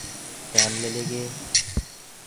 Тәмлелеге!